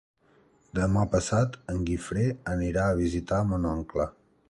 Demà passat en Guifré anirà a visitar mon oncle.